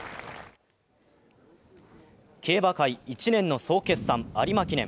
競馬界１年の総決算・有馬記念。